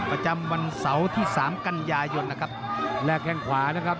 ประจำวันเสาที่๓กันยาย่นนะแล้วแคลงขวานะครับ